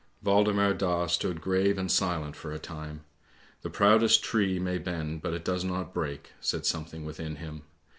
Waldemar Daa stood grave and silent for a time; ' the proudest tree may bend, but it does not break,' said something within him.